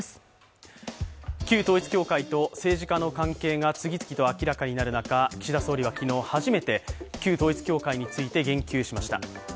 旧統一教会と政治家の関係が次々と明らかになる中、岸田総理は昨日初めて旧統一教会について言及しました。